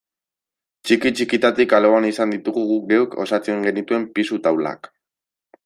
Txiki-txikitatik alboan izan ditugu guk geuk osatzen genituen pisu taulak.